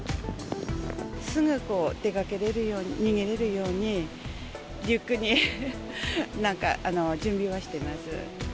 すぐ出かけられるように、逃げられるように、リュックになんか準備はしてます。